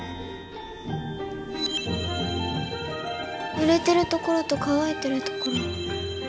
ぬれてるところと乾いてるところ。